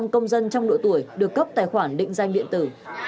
ba mươi công dân trong độ tuổi được cấp tài khoản định danh điện tử